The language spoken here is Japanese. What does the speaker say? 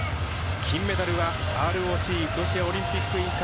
金メダルはＲＯＣロシアオリンピック委員会